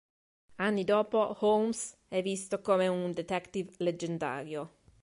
Anni dopo, Holmes è visto come un detective leggendario.